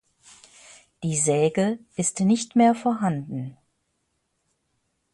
Die Säge ist nicht mehr vorhanden.